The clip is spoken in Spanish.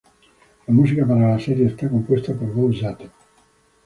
La música para la serie está compuesta por Gō Satō.